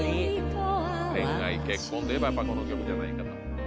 恋愛結婚といえばやっぱこの曲じゃないかと。